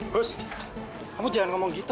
bus kamu jangan ngomong begitu